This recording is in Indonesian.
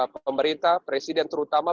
pemerintah presiden terutama